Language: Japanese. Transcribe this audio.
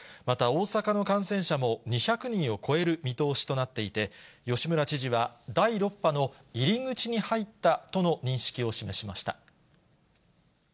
また大阪の感染者も２００人を超える見通しとなっていて、吉村知事は、第６波の入り口に入ったとの認識を示しました。